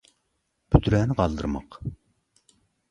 büdräni galdyrmak